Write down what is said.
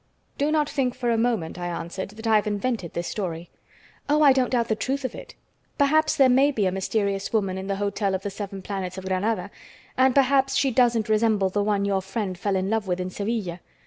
"Do not think for a moment," I answered, "that I've invented this story." "Oh, I don't doubt the truth of it. Perhaps there may be a mysterious woman in the Hotel of the Seven Planets of Granada, and perhaps she doesn't resemble the one your friend fell in love with in Sevilla.